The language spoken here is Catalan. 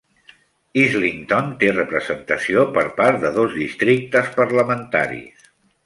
Islington té representació per part de dos districtes parlamentaris.